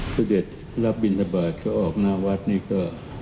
พระสเด็จรับบิณฑบาทเขาออกหน้าวัดนี้ก็